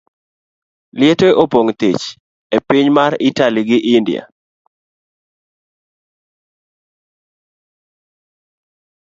Liete opong' thich e piny mar Italy gi India.